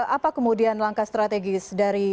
apa kemudian langkah strategis dari